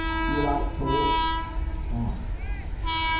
Do you like taut (tart)